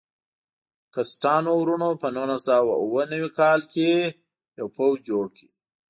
کسټانو وروڼو په نولس سوه اوه نوي کال کې یو پوځ جوړ کړ.